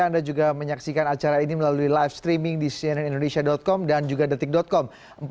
anda juga menyaksikan acara ini melalui live streaming di cnnindonesia com dan juga detik com